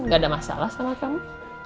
gak ada masalah sama kamu